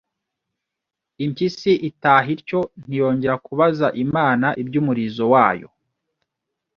Impyisi itaha ityo, ntiyongera kubaza Imana iby'umulizo wayo;